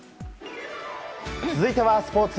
続いてはスポーツ。